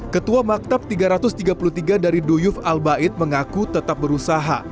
ketua maktab tiga ratus tiga puluh tiga dari dui fulbet mengaku tetap berusaha